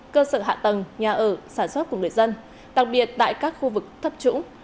cơ sở hạ tầng nhà ở sản xuất của người dân đặc biệt tại các khu vực thấp trũng